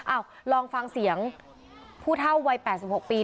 ลองฟังเสียงผู้เท่าวัย๘๖ปี